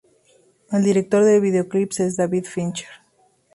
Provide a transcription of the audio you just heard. El director del videoclip es David Fincher.